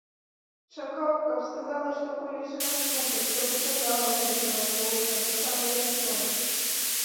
Чакаў, каб сказала што-колечы насупраць, каб адказала груба, злосна, таксама, як ён.